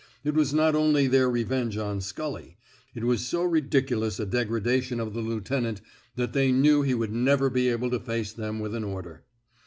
It was not only their re venge on Scully ; it was so ridiculous a degra dation of the lieutenant that they knew he would never be able again to face them with an order.